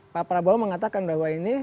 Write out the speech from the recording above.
pak prabowo mengatakan bahwa ini